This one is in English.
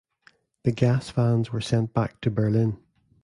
The gas vans were sent back to Berlin.